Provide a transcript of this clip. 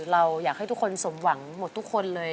เราอยากให้ทุกคนสมหวังหมดทุกคนเลย